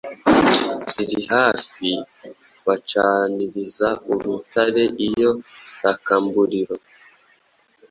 ziri hafi, bagacaniriza urutare iyo sakamburiro